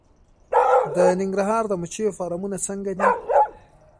د ننګرهار د مچیو فارمونه څنګه دي؟